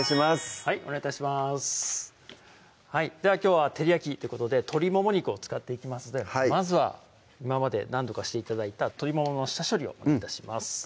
はいお願い致しますではきょうは「照り焼き」ということで鶏もも肉を使っていきますのでまずは今まで何度かして頂いた鶏ももの下処理をお願い致します